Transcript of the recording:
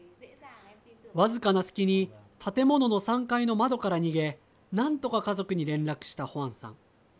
僅かな隙に建物の３階の窓から逃げなんとか家族に連絡したホアンさん。